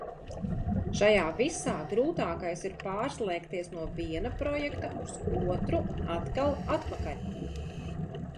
Šajā visā grūtākais ir pārslēgties no viena projekta uz otru un atkal atpakaļ.